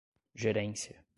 gerência